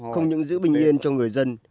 không những giữ bình yên cho người dân